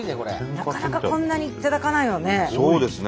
なかなかこんなに頂かないよね。